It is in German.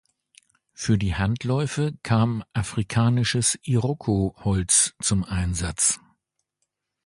Für die Handläufe kam afrikanisches Iroko-Holz zum Einsatz.